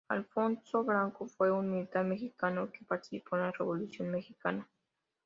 Alfonso Blanco fue un militar mexicano que participó en la Revolución mexicana.